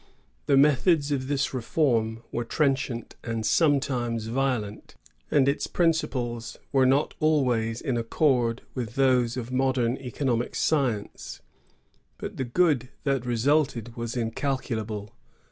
The methods of this reform were trenchant and some times violent, and its principles were not always in accord with those of modem economic science; but the good that resulted was incalculable.